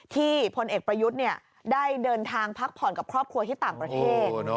พลเอกประยุทธ์ได้เดินทางพักผ่อนกับครอบครัวที่ต่างประเทศ